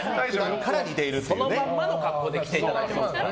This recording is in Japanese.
そのままの格好で来ていただいていますから。